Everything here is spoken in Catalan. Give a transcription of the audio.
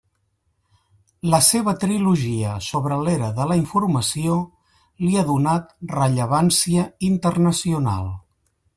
La seva trilogia sobre l'era de la informació li ha donat rellevància internacional.